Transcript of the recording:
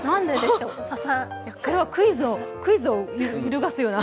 それはクイズを揺るがすような。